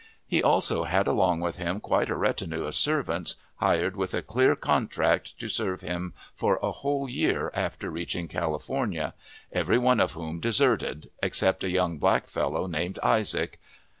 He also had along with him quite a retinue of servants, hired with a clear contract to serve him for a whole year after reaching California, every one of whom deserted, except a young black fellow named Isaac.